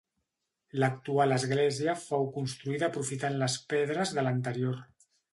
L'actual església fou construïda aprofitant les pedres de l'anterior.